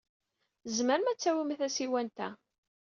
Tzemrem ad tawim tasiwant-a.